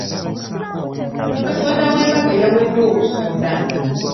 Soda w’embaga yawedde okusonda?